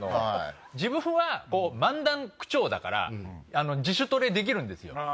自分は漫談口調だから自主トレできるんですよ。